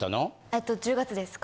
えっと１０月です